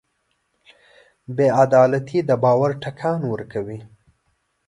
بېعدالتي د باور ټکان ورکوي.